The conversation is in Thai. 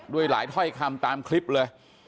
หลายถ้อยคำตามคลิปเลย